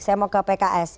saya mau ke pks